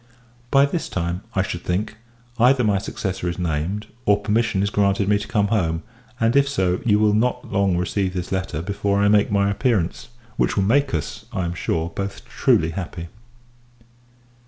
By this time, I should think, either my successor is named, or permission is granted me to come home; and, if so, you will not long receive this letter before I make my appearance: which will make us, I am sure, both truly happy.